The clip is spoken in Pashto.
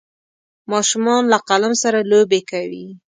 ماشومان له قلم سره لوبې کوي.